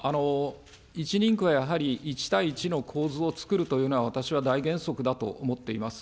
１人区はやはり１対１の構図をつくるというのは、私は大原則だと思っています。